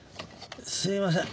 すいません。